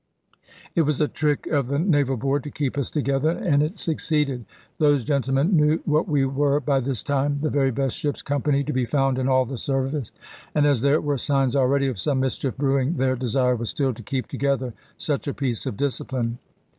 It was a trick of the Naval Board to keep us together, and it succeeded. Those gentlemen knew what we were by this time, the very best ship's company to be found in all the service; and as there were signs already of some mischief brewing, their desire was still to keep together such a piece of discipline.